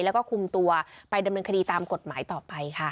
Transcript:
แล้วก็คุมตัวไปดำเนินคดีตามกฎหมายต่อไปค่ะ